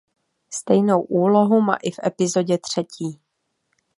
Stejnou úlohu má i v epizodě třetí.